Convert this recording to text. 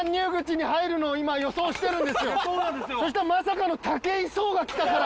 そしたらまさかのタケイソーが来たから。